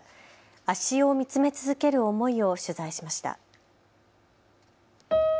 足尾を見つめ続ける思いを取材しました。